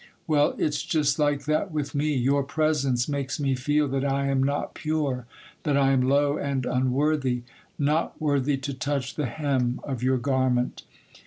Well, it's just like that with me. Your presence makes me feel that I am not pure,—that I am low and unworthy,—not worthy to touch the hem of your garment.